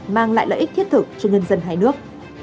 mang lại lợi ích thiết thực cho nhân dân hai nước